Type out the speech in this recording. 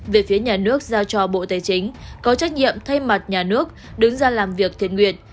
về phía nhà nước giao cho bộ tài chính có trách nhiệm thay mặt nhà nước đứng ra làm việc thiện nguyện